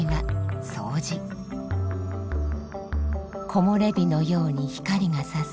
木もれ日のように光がさす